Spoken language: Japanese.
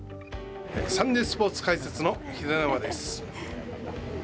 サンデースポーツ解説の秀ノ山です。